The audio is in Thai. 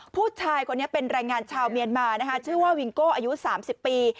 ผู้ชายคนนี้เป็นแรงงานชาวเมียนมานะคะชื่อว่าวิงโก้อายุ๓๐ปี